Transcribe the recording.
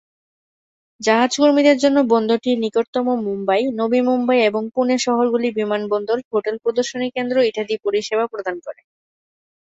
জাহাজ কর্মীদের জন্য বন্দরটির নিকটতম মুম্বই, নবী মুম্বাই এবং পুনে শহরগুলি বিমানবন্দর; হোটেল, প্রদর্শনী কেন্দ্র, ইত্যাদি পরিষেবা প্রদান করে।